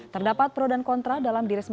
terdapat pro dan kontra dalam diresmikan